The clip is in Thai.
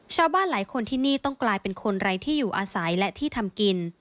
ชาวบ้านหลายคนที่นี่ต้องกลายเป็นคนไร้ที่อยู่อาศัยและที่ทำกิน